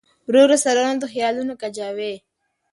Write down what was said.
ورو ورو ساروانه او د خیالونو کجاوې